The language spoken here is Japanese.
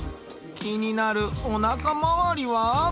気になるおなか回りは？